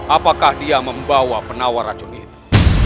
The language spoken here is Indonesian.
apakah dia membawa penawar racun itu